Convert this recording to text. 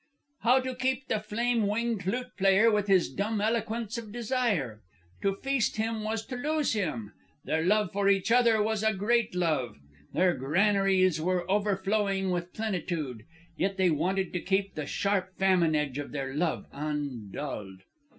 "How to keep the flame winged lute player with his dumb eloquence of desire? To feast him was to lose him. Their love for each other was a great love. Their granaries were overflowing with plenitude; yet they wanted to keep the sharp famine edge of their love undulled.